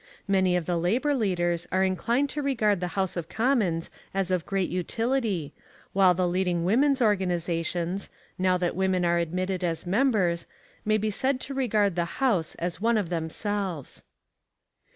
Many of the labour leaders are inclined to regard the House of Commons as of great utility, while the leading women's organizations, now that women are admitted as members, may be said to regard the House as one of themselves.